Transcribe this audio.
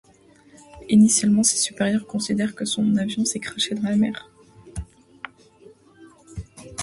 Initialement ses supérieurs considèrent que son avion s'est crashé dans la mer.